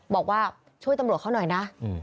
บอกว่าช่วยตำรวจเขาหน่อยนะ